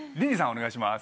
お願いします。